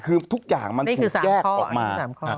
คือทุกอย่างมันถูกแยกออกมา